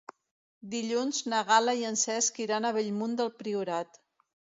Dilluns na Gal·la i en Cesc iran a Bellmunt del Priorat.